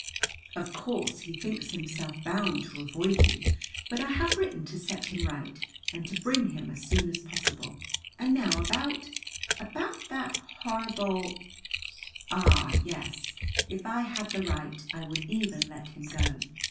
"Of course he thinks himself bound to avoid you. But I have written to set him right, and to bring him as soon as possible. And now about about that horrible " "Ah, yes. If I had the right, I would even let him go.